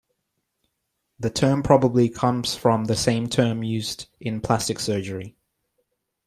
The term probably comes from the same term used in plastic surgery.